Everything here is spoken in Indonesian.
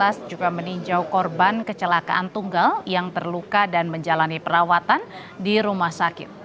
petugas juga meninjau korban kecelakaan tunggal yang terluka dan menjalani perawatan di rumah sakit